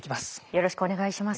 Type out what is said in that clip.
よろしくお願いします。